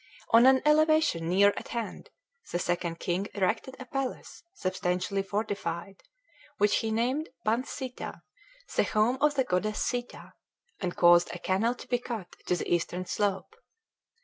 On an elevation near at hand the Second King erected a palace substantially fortified, which he named Ban Sitha (the Home of the Goddess Sitha), and caused a canal to be cut to the eastern slope.